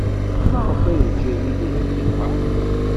Maɣef ay yeǧǧa Yidir ad yenheṛ?